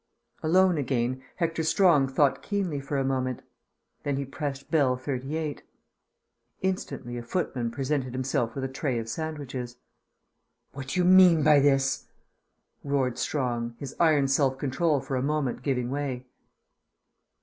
Alone again, Hector Strong thought keenly for a moment. Then he pressed bell "38." Instantly a footman presented himself with a tray of sandwiches. "What do you mean by this?" roared Strong, his iron self control for a moment giving way.